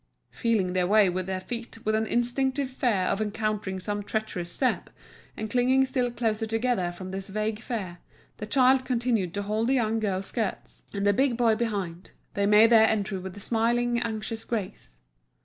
Feeling their way with their feet with an instinctive fear of encountering some treacherous step, and clinging still closer together from this vague fear, the child continuing to hold the young girl's skirts, and the big boy behind, they made their entry with a smiling, anxious grace.